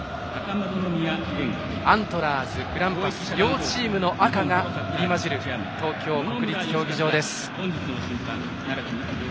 アントラーズ、グランパス両チームの赤が入り交じる東京・国立競技場。